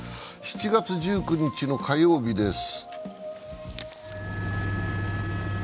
７月１９日の火曜日です。